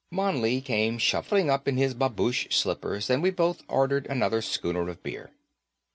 Mouley came shuffling up in his babouche slippers and we both ordered another schooner of beer.